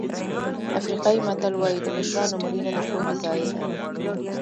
افریقایي متل وایي د مشرانو مړینه د پوهې ضایع ده.